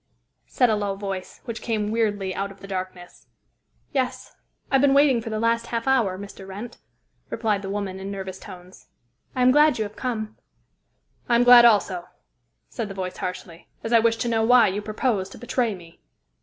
said a low voice, which came weirdly out of the darkness. "Yes. I have been waiting for the last half hour, Mr. Wrent," replied the woman in nervous tones. "I am glad you have come." "I am glad, also," said the voice harshly, "as I wish to know why you propose to betray me."